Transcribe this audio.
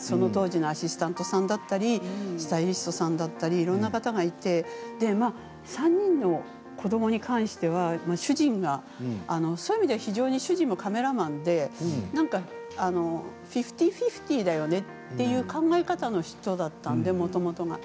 その当時のアシスタントさんだったりスタイリストさんだったりいろんな方がいて３人の子どもに関しては主人がそういう意味では非常に主人もカメラマンでフィフティーフィフティーだよねっていう考え方の人だったのでもともとが。